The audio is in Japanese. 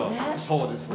そうです。